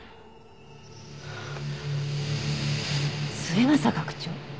末政学長！？